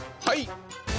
はい！